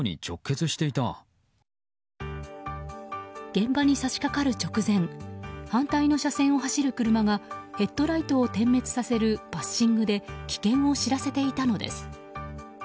現場に差し掛かる直前反対の車線を走る車がヘッドライトを点滅させるパッシングで危険を知らせていたのです。